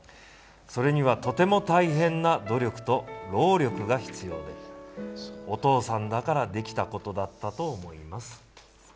それには、とても大変な努力と労力が必要でお父さんだからできたことだったと思います。